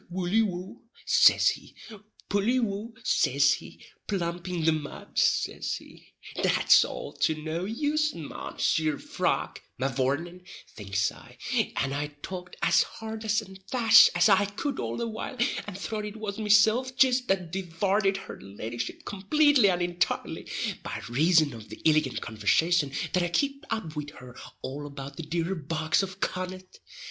"Woully wou," says he, "Pully wou," says he, "Plump in the mud," says he. "That's all to no use, Mounseer Frog, mavourneen," thinks I; and I talked as hard and as fast as I could all the while, and throth it was mesilf jist that divarted her leddyship complately and intirely, by rason of the illigant conversation that I kipt up wid her all about the dear bogs of Connaught.